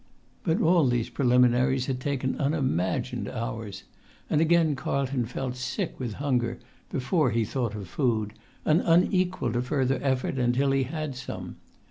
But all these preliminaries had taken unimagined hours, and again Carlton felt sick with hunger before he thought of food, and unequal to further effort until he had some.